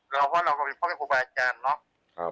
เราก็เป็นพระพุทธภูมิอาจารย์เนอะ